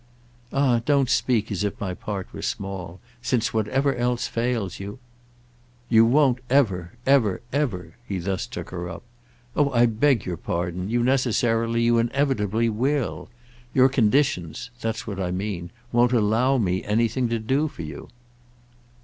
"Ah don't speak as if my part were small; since whatever else fails you—" "You won't, ever, ever, ever?"—he thus took her up. "Oh I beg your pardon; you necessarily, you inevitably will. Your conditions—that's what I mean—won't allow me anything to do for you."